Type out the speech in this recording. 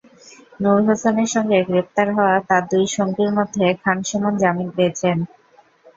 নূর হোসেনের সঙ্গে গ্রেপ্তার হওয়া তাঁর দুই সঙ্গীর মধ্যে খান সুমন জামিন পেয়েছেন।